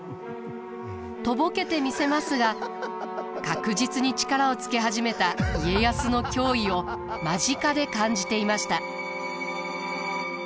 とぼけてみせますが確実に力をつけ始めた家康の脅威を間近で感じていました。